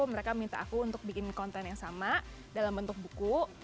mereka minta aku untuk bikin konten yang sama dalam bentuk buku